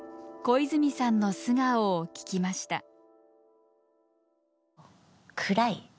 小泉さんの素顔を聞きました。